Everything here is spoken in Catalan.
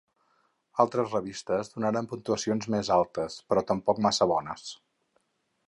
Altres revistes donaren puntuacions més altes, però tampoc massa bones.